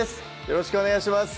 よろしくお願いします